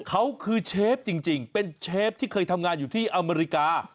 เขาคือเชฟจริงเป็นเชฟที่เคยทำงานอยู่ที่อเมริกา